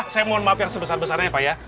saya mohon maaf yang sebesar besarnya ya pak ya